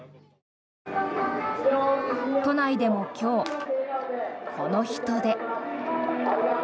都内でも今日、この人出。